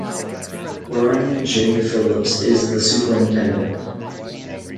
Brian J. Phillips is the Superintendent.